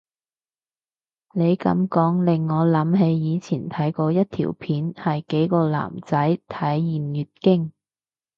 你噉講令我諗起以前睇過一條片係幾個男仔體驗月經